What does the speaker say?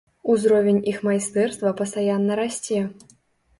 Узровень іх майстэрства пастаянна расце.